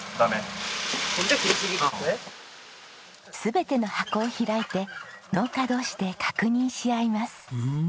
全ての箱を開いて農家同士で確認し合います。